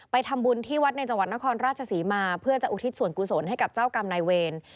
ทำบุญที่วัดในจังหวัดนครราชศรีมาเพื่อจะอุทิศส่วนกุศลให้กับเจ้ากรรมนายเวร